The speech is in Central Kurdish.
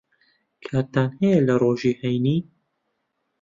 کاتتان ھەیە لە ڕۆژی ھەینی؟